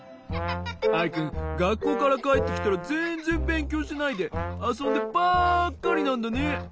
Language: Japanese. アイくんがっこうからかえってきたらぜんぜんべんきょうしないであそんでばっかりなんだね？